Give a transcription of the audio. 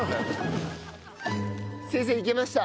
先生いけました。